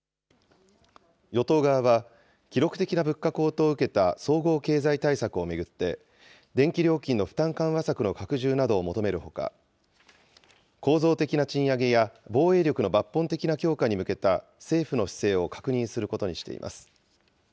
与党側は記録的な物価高騰を受けた、総合経済対策を巡って、電気料金の負担緩和策の拡充などを求めるほか、構造的な賃上げや防衛力の抜本的な強化に向けた、政府の姿勢を確認することにしています。